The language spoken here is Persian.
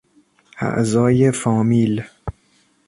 اعضای فامیل